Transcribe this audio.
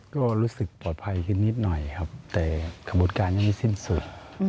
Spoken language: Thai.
ก็รู้สึกปลอดภัยขึ้นนิดหน่อยครับแต่กระบวนการยังไม่สิ้นสุด